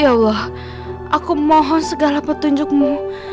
ya allah aku mohon segala petunjukmu